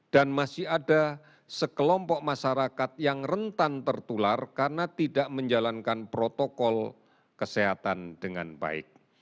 dan masih ada sekelompok masyarakat yang rentan tertular karena tidak menjalankan protokol kesehatan dengan baik